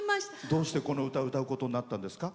どうして、この歌を歌うことになったんですか？